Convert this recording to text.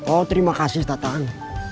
oh terima kasih setatan